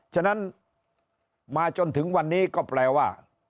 ฉะนั้นมาจนถึงวันนี้ก็แปลว่า